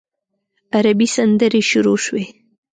عربي سندرې شروع شوې.